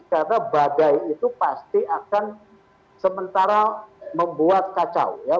karena badai itu pasti akan sementara membuat kacau ya